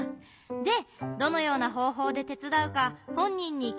でどのようなほうほうでてつだうかほんにんにきくのがいいのかな？